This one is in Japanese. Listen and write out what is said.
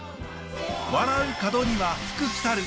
笑う門には福きたる！